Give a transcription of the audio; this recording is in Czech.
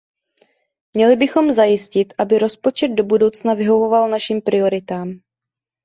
Měli bychom zajistit, aby rozpočet do budoucna vyhovoval našim prioritám.